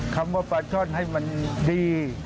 คำว่าปลาช่อนให้มันดี